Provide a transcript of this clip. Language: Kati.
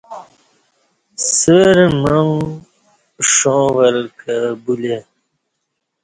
سورہ معانگ ݜاں ول کہ بولے